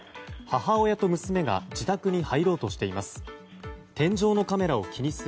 母親と娘が自宅に入ろうとしています。